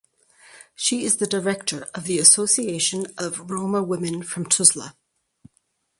She is the director of the Association of Roma Women from Tuzla.